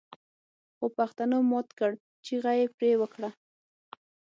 خوپښتنو مات کړ چيغه يې پرې وکړه